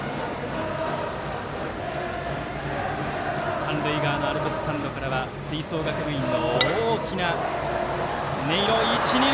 三塁側のアルプススタンドからは吹奏楽部員の大きな音色。